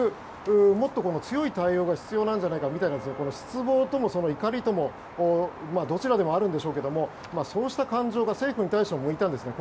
もっと強い対応が必要なんじゃないかみたいな失望とも怒りともどちらでもあるんでしょうがそうした感情が政府に対しても向いたんですね。